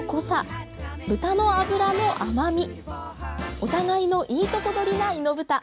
お互いのいいとこ取りな猪豚。